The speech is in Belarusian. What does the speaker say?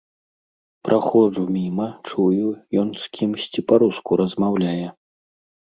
Праходжу міма, чую, ён з кімсьці па-руску размаўляе.